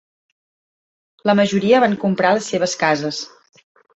La majoria van comprar les seves cases.